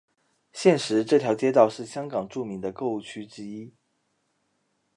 现时这条街道是香港著名的购物区之一。